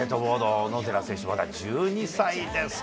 小野寺選手、まだ１２歳ですか。